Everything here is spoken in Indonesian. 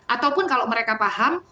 ataupun kalau mereka paham